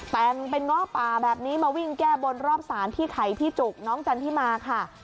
แต่งเป็นง้อป่าแบบนี้มาวิ่งแก้บนรอบสารพี่ไข่พี่จุกน้องจันทิมาค่ะ